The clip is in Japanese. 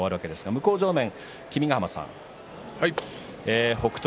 向正面の君ヶ濱さん北勝